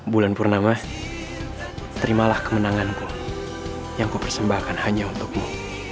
bulan purnama terimalah kemenanganku yang kupersembahkan hanya untukmu